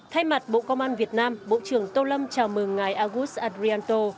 thay mặt bộ công an việt nam bộ trưởng tô lâm chào mừng ngài agus adrianto